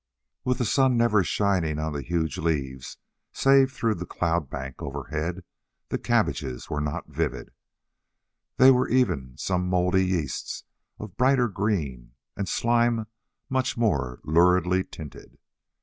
With the sun never shining on the huge leaves save through the cloud bank overhead, the cabbages were not vivid. There were even some mouldy yeasts of a brighter green and slime much more luridly tinted.